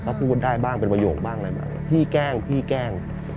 ก็พูดได้บ้างเป็นประโยคบ้างอะไรบ้างพี่แกล้งพี่แกล้ง